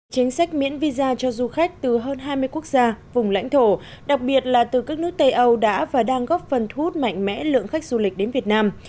chính sách miễn visa cho du khách từ hơn hai mươi quốc gia vùng lãnh thổ đặc biệt là từ các nước tây âu đã và đang góp phần thu hút mạnh mẽ lượng khách du lịch đến việt nam